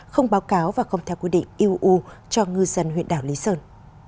không báo cáo và không theo quy định uuu cho ngư dân huyện đảo lý sơn